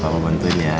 kalo mau bantuin ya